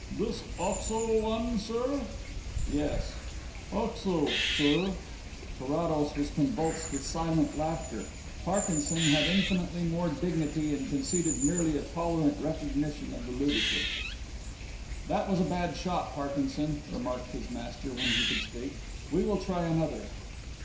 "This 'Oxo' one, sir?" "Yes." "'Oxo,' sir." Carrados was convulsed with silent laughter. Parkinson had infinitely more dignity and conceded merely a tolerant recognition of the ludicrous. "That was a bad shot, Parkinson," remarked his master when he could speak. "We will try another."